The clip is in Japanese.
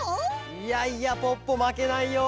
いやいやポッポまけないよ！